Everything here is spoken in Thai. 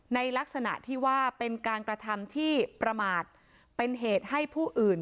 ในลักษณะที่ว่าเป็นการกระทำที่ประมาทเป็นเหตุให้ผู้อื่น